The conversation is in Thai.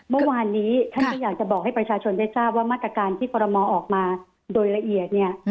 เมื่อวานนี้ท่านก็อยากจะบอกให้ประชาชนได้ทราบว่ามาตรการที่คอรมอออกมาโดยละเอียดเนี่ย